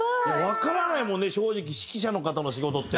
わからないもんね正直指揮者の方の仕事って。